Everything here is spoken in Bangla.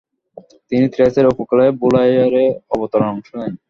তিনি থ্রেসের উপকূলে বুলাইরে অবতরণে অংশ নেন।